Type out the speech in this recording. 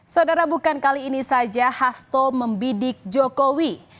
saudara bukan kali ini saja hasto membidik jokowi